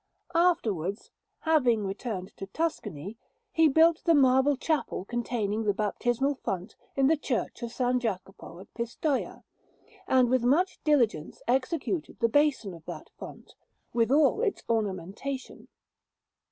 Afterwards, having returned to Tuscany, he built the marble chapel containing the baptismal font in the Church of S. Jacopo at Pistoia, and with much diligence executed the basin of that font, with all its ornamentation.